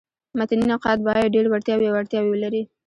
متني نقاد باید ډېري وړتیاوي او اړتیاوي ولري.